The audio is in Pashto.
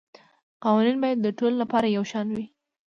قوانین باید د ټولو لپاره یو شان وي